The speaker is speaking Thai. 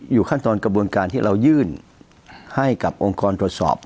ขั้นตอนกระบวนการที่เรายื่นให้กับองค์กรตรวจสอบ